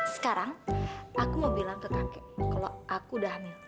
sekarang aku mau bilang ke kakek kalau aku dhanil